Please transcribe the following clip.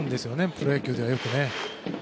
プロ野球ではよくね。